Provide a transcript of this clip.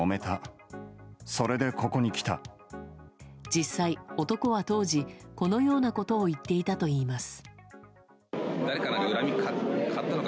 実際、男は当時このようなことを言っていたといいます。